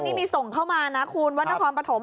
นี่มีส่งเข้ามานะคุณวันดครมประถม